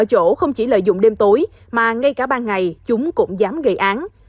ở chỗ không chỉ lợi dụng đêm tối mà ngay cả ban ngày chúng cũng dám gây án